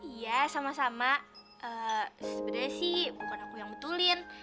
iya sama sama sebenarnya sih bukan aku yang betulin